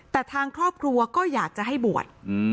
แต่ทางครอบครัวก็อยากจะให้บวช